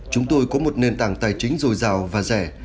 chúng tôi có một nền tảng tài chính dồi dào và rẻ